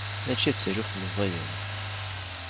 Mačči d taluft meẓẓiyen.